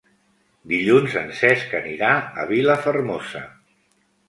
Dilluns en Cesc anirà a Vilafermosa.